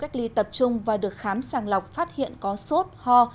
cách ly tập trung và được khám sàng lọc phát hiện có sốt ho